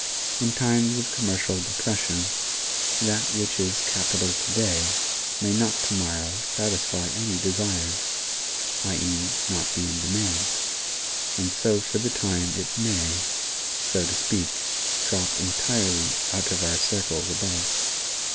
In times of commercial depression, that which is capital to day may not to morrow satisfy any desires (i.e., not be in demand), and so for the time it may, so to speak, drop entirely out of our circles above.